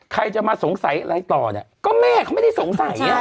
ใครจะมาสงสัยอะไรต่อเนี่ยก็แม่เขาไม่ได้สงสัยอ่ะ